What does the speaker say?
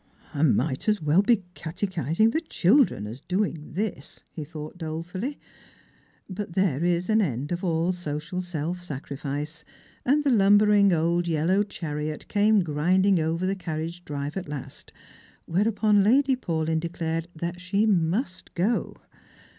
'• I might as well be catechising the children as doing this, he thought dolefully. But there is an end of all social self sacrifice, and the lumbering old yellow chariot came grinding over the carriage drive at last, whereupon Lady Paulyn declared that she mtist go.